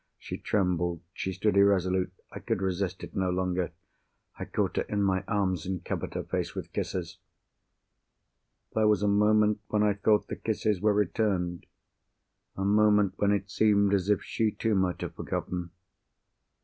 She trembled; she stood irresolute. I could resist it no longer—I caught her in my arms, and covered her face with kisses. There was a moment when I thought the kisses were returned; a moment when it seemed as if she, too might have forgotten.